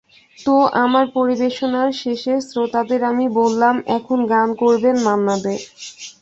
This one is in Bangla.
তো, আমার পরিবেশনার শেষে শ্রোতাদের আমি বললাম, এখন গান করবেন মান্না দে।